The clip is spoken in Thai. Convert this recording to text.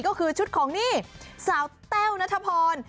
ก็คือชุดของนี่สาวแต้วนัทพร